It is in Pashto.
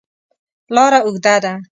لاره اوږده ده.